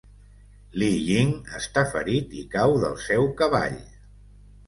Li Ying està ferit i cau del seu cavall.